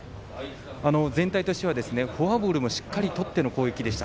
全体としては、フォアボールもしっかりとっての攻撃でした。